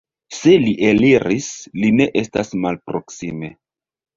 Se li eliris, li ne estas malproksime.